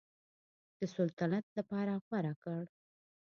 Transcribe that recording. د سلطنت لپاره غوره کړ.